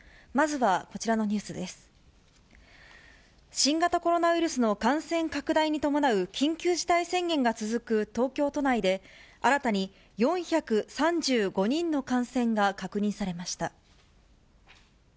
新型コロナウイルスの感染拡大に伴う緊急事態宣言が続く東京都内で、新たに４３５人の感染が確認されました。